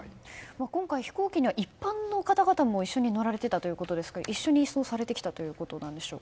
今回、飛行機には一般の方々も一緒に乗られてたということですが一緒に移送されてきたということなんでしょうか。